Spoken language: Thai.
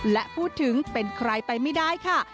และพูดถึงเป็นใครไปไม่ได้ค่ะ